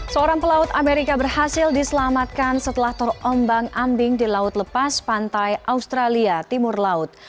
seorang pelaut amerika berhasil diselamatkan setelah terombang ambing di laut lepas pantai australia timur laut